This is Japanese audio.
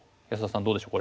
どうでしょうこれ。